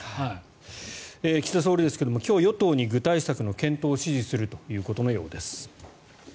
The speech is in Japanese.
岸田総理ですが今日与党に具体策の検討を指示するということのようです。